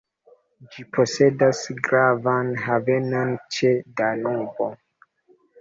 Ĝi posedas gravan havenon ĉe Danubo.